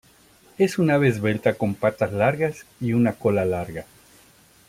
Es un ave esbelta con patas largas y una cola larga.